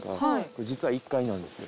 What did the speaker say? これ実は１階なんですよ。